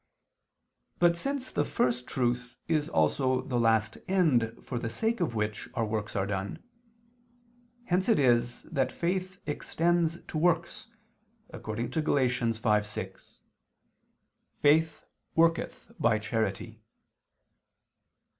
But since the First Truth is also the last end for the sake of which our works are done, hence it is that faith extends to works, according to Gal. 5:6: "Faith ... worketh by charity."